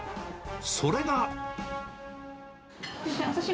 それが。